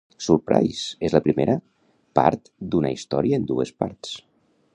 "Surprise" és la primera part d'una història en dues parts.